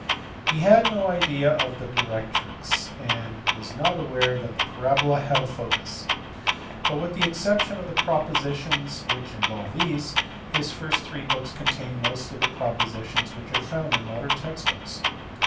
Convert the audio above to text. ^He had no idea of the directrix, and was not aware that the parabola had a focus, but, with the exception of the propo sitions which involve these, his first three books contain most of the propositions which are found in modern text books.